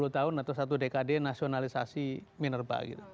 sepuluh tahun atau satu dekade nasionalisasi minerba gitu